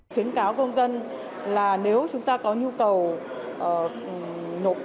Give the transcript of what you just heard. khiến cáo công dân là nếu chúng ta có nhu cầu